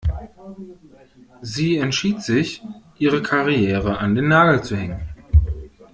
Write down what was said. Sie entschied sich, ihre Karriere an den Nagel zu hängen.